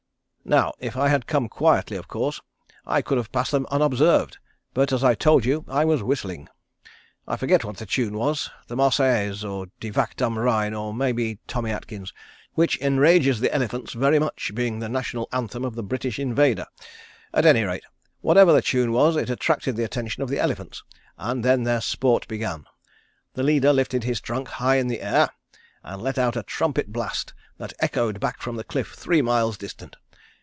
Now, if I had come quietly, of course, I could have passed them unobserved, but as I told you I was whistling. I forget what the tune was, The Marsellaise or Die Wacht Am Rhein, or maybe Tommie Atkins, which enrages the elephants very much, being the national anthem of the British invader. At any rate, whatever the tune was it attracted the attention of the elephants, and then their sport began. The leader lifted his trunk high in the air, and let out a trumpet blast that echoed back from the cliff three miles distant.